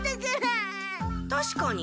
たしかに。